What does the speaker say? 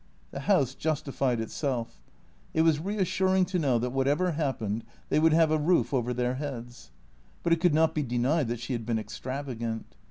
The house justified itself. It was reassuring to know that whatever happened they would have a roof over their heads. But it could not be denied that she had been extravagant.